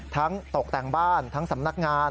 ตกแต่งบ้านทั้งสำนักงาน